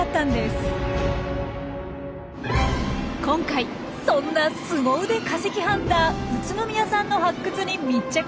今回そんなスゴ腕化石ハンター宇都宮さんの発掘に密着しました。